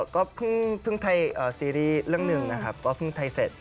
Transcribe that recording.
ก็เพิ่งไทยซีรีส์เรื่องหนึ่งนะครับก็เพิ่งไทยเสร็จ